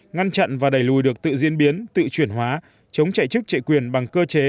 ngăn chặn và đẩy lùi được tự diễn biến tự chuyển hóa chống chạy chức chạy quyền bằng cơ chế